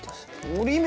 折り目！